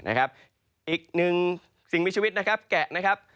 อีกหนึ่งสิ่งมีชีวิตนะครับแกะนะครับ